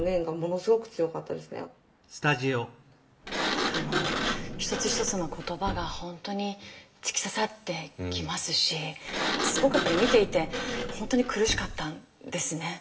何かあの一つ一つの言葉が本当に突き刺さってきますしすごくやっぱり見ていて本当に苦しかったんですね。